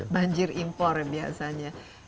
banjir impor biasanya